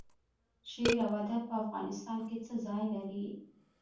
شعر او ادب په افغانستان کې څه ځای لري؟